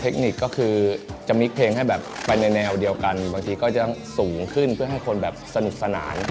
เทคนิคก็คือจะมิกเพลงให้แบบไปในแนวเดียวกันบางทีก็จะสูงขึ้นเพื่อให้คนแบบสนุกสนาน